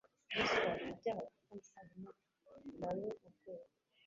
ruswa n ibyaha bifitanye isano na yo urwego